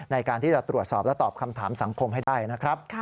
ในการที่จะตรวจสอบและตอบคำถามสังคมให้ได้นะครับ